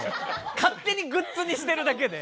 勝手にグッズにしてるだけで。